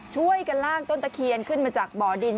ช่วยกันลากต้นตะเคียนขึ้นมาจากบ่อดิน